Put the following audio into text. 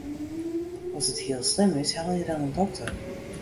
As it hiel slim is, helje dan in dokter.